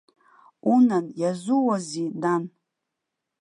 Унан, иазууазиз, нан!